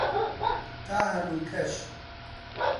تا هەنووکەش